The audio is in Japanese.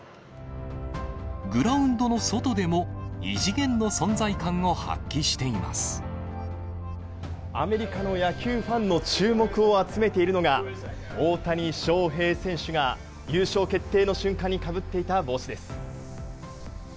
グラウンドの外でも、アメリカの野球ファンの注目を集めているのが、大谷翔平選手が優勝決定の瞬間にかぶっていた帽子です。